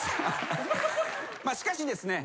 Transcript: しかしですね